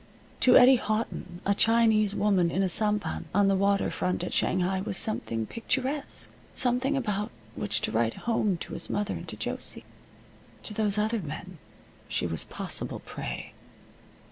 To Eddie Houghton, a Chinese woman in a sampan on the water front at Shanghai was something picturesque; something about which to write home to his mother and to Josie. To those other men she was possible prey.